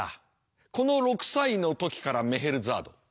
この６歳の時からメヘルザード